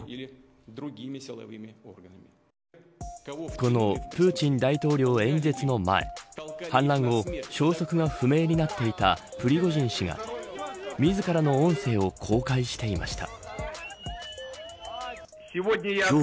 このプーチン大統領演説の前反乱後、消息が不明になっていたプリゴジン氏が自らの音声を公開していました。